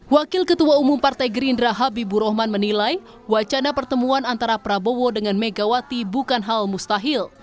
wakil ketua umum partai gerindra habibur rahman menilai wacana pertemuan antara prabowo dengan megawati bukan hal mustahil